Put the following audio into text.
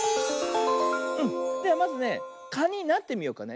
ではまずねかになってみようかね。